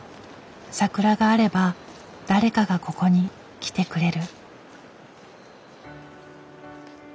桜があれば誰かがここに来てくれる。